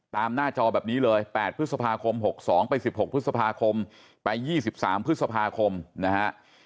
หน้าจอแบบนี้เลย๘พฤษภาคม๖๒ไป๑๖พฤษภาคมไป๒๓พฤษภาคมนะฮะ